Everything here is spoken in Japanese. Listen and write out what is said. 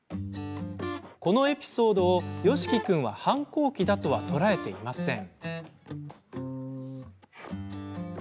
このエピソードを、よしき君は反抗期だとは捉えていません。